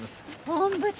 本部長！